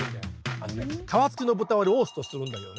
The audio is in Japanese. あのね皮付きの豚をローストするんだけどね。